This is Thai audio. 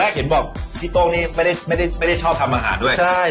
ตอนแรกเห็นบอกที่ตรงนี้ไม่ได้ชอบทำอาหารด้วย